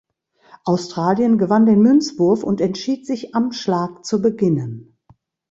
Australien gewann den Münzwurf und entschied sich am Schlag zu beginnen.